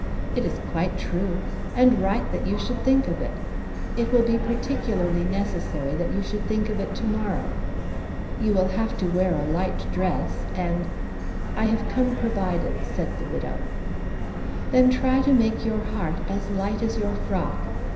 "It is quite true; and right that you should think of it. It will be particularly necessary that you should think of it to morrow. You will have to wear a light dress, and " "I have come provided," said the widow. "Try then to make your heart as light as your frock.